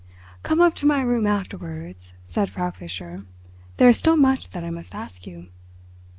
"Come up to my room afterwards," said Frau Fischer. "There is still much that I must ask you."